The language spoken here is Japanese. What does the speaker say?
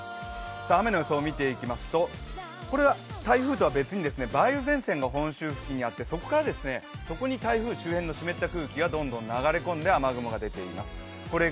雨の予想を見ていきますと台風とは別に梅雨前線が本州付近にあって、そこから、ここに台風周辺の湿った空気がどんどん流れ込んで雨雲が出ています。